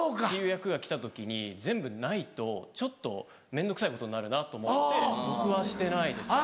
役が来た時に全部ないとちょっと面倒くさいことになるなと思って僕はしてないですね。